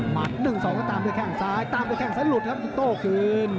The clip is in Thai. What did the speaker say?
หมัดหนึ่งสองก็ตามเวลาแข่งซ้ายตามเวลาแข่งซ้ายหลุดครับทุกโต้คืน